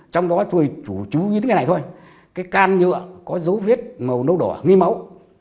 trong đó tôi chủ trú những cái này thôi cái can nhựa có dấu viết màu nâu đỏ nghi máu